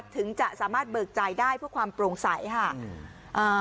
ถึงจะสามารถเบิกจ่ายได้เพื่อความโปร่งใสค่ะอืมอ่า